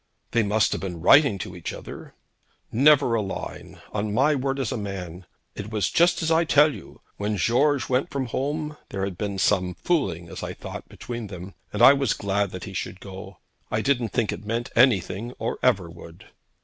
'They must have been writing to each other.' 'Never a line; on my word as a man. It was just as I tell you. When George went from home, there had been some fooling, as I thought, between them; and I was glad that he should go. I didn't think it meant anything, or ever would.'